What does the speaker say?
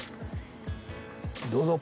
どうぞ。